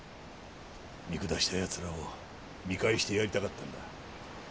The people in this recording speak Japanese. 見下した奴らを見返してやりたかったんだ。